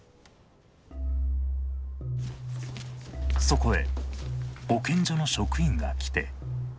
そこへ保健所の職員が来て。